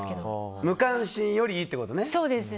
無関心よりいいってことね。